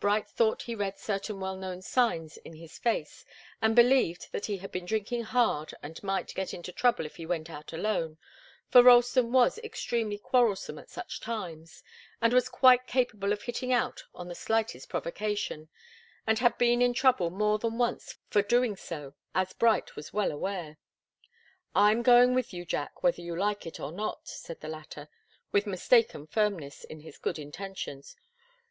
Bright thought he read certain well known signs in his face, and believed that he had been drinking hard and might get into trouble if he went out alone, for Ralston was extremely quarrelsome at such times, and was quite capable of hitting out on the slightest provocation, and had been in trouble more than once for doing so, as Bright was well aware. "I'm going with you, Jack, whether you like it or not," said the latter, with mistaken firmness in his good intentions.